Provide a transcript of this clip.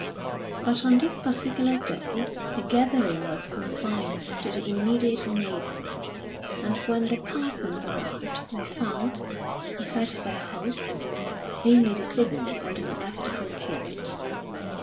But on this particular day the gathering was confined to the immediate neighbours, and when the Parsons arrived they found, beside their hosts, only the Clibborns and the inevitable curate.